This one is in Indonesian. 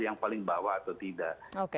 yang paling bawah atau tidak